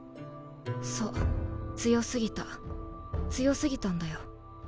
そう強過ぎた強過ぎたんだよ。